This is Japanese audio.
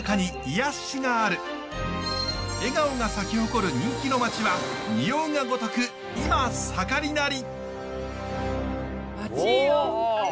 笑顔が咲き誇る人気の町はにおうがごとく今盛りなり。